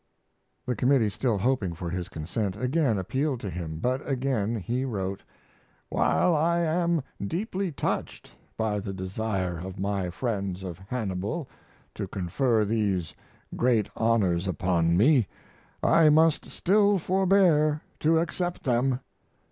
The committee, still hoping for his consent, again appealed to him. But again he wrote: While I am deeply touched by the desire of my friends of Hannibal to confer these great honors upon me I must still forbear to accept them.